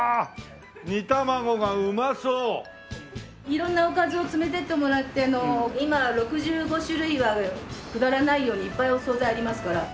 色んなおかずを詰めていってもらって今６５種類はくだらないようにいっぱいお総菜ありますから。